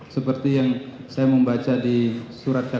seperti yang saya membaca di surat al quran